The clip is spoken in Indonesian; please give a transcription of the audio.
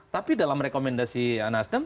tapi dalam rekomendasi nasdem